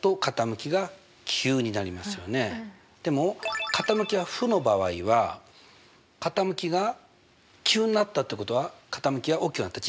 でも傾きが負の場合は傾きが急になったってことは傾きは大きくなった？